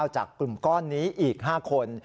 จากกลุ่มก้อนนี้อีก๕คน